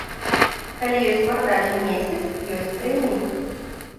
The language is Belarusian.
Калі ёсць квартальны месяц, ёсць прэміі.